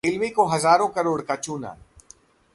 railway को हजारों करोड़ का चूना